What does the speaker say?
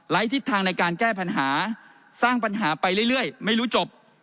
ทิศทางในการแก้ปัญหาสร้างปัญหาไปเรื่อยไม่รู้จบ